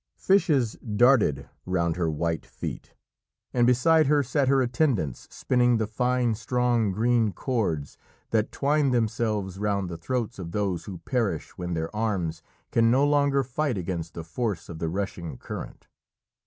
Fishes darted round her white feet, and beside her sat her attendants, spinning the fine strong green cords that twine themselves round the throats of those who perish when their arms can no longer fight against the force of the rushing current.